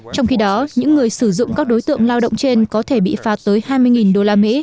trong khi đó những người sử dụng các đối tượng lao động trên có thể bị phạt tới hai mươi usd